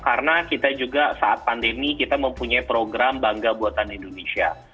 karena kita juga saat pandemi kita mempunyai program bangga buatan indonesia